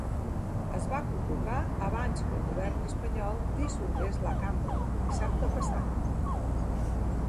Es va convocar abans que el govern espanyol dissolgués la cambra, dissabte passat.